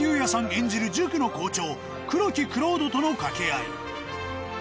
演じる塾の校長黒木蔵人との掛け合い